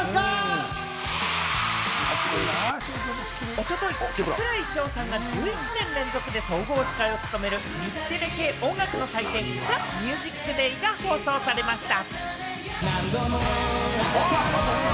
おととい櫻井翔さんが１１年連続で総合司会を務める日テレ系音楽の祭典『ＴＨＥＭＵＳＩＣＤＡＹ』が放送されました。